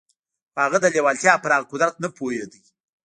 خو هغه د لېوالتیا پر هغه قدرت نه پوهېده.